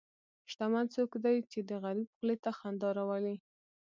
شتمن څوک دی چې د غریب خولې ته خندا راولي.